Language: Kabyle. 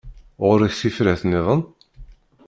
Ɣur-k tifrat-nniḍen?